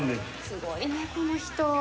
すごいねこの人。